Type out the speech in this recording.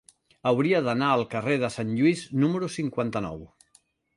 Hauria d'anar al carrer de Sant Lluís número cinquanta-nou.